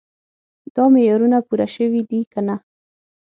دا معیارونه پوره شوي دي که نه.